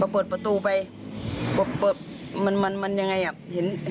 แล้วพอเจอสองมือโผล่ขึ้นมาโผล่จับข้าวบน